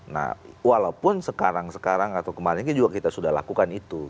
nah walaupun sekarang sekarang atau kemarin juga kita sudah lakukan itu